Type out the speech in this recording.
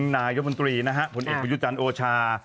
นายบุญตรีผลเอกพุยุจันทร์โอชา